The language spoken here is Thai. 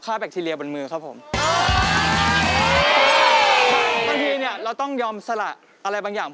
บางทีเนี่ยเราต้องยอมสละอะไรบางอย่าง